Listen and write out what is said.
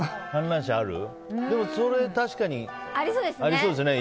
でも、それは確かにありそうですよね。